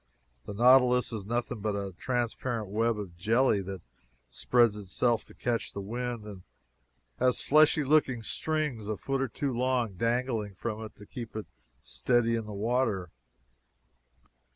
The nautilus is nothing but a transparent web of jelly that spreads itself to catch the wind, and has fleshy looking strings a foot or two long dangling from it to keep it steady in the water.